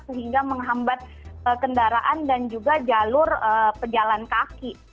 sehingga menghambat kendaraan dan juga jalur pejalan kaki